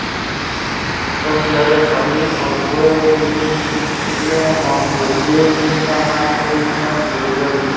Está emplazada en París, Burdeos, Lille, Montpellier, Niza, Nantes, Lyon y Bruselas.